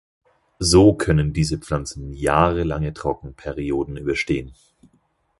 So können diese Pflanzen jahrelange Trockenperioden überstehen.